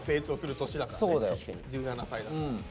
１７歳だから。